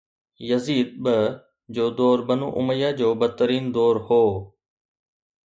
Yazid II جو دور Banu Umayyah جو بدترين دور هو